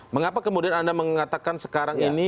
mengapa kemudian anda mengatakan sekarang ini